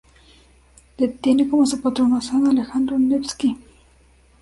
Tiene como su patrono a San Alejandro Nevsky.